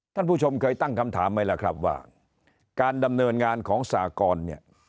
ท่านผู้ชมเคยตั้งคำถามไหมล่ะครับว่าการดำเนินงานของสากรเนี่ย